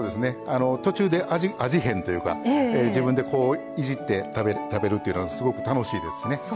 途中で味変というか自分でいじって食べるというのはすごく楽しいですしね。